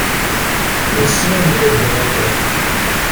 Wisen anda yewweḍ akka?